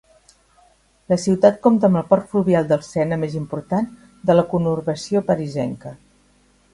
La ciutat compta amb el port fluvial del Sena més important de la conurbació parisenca.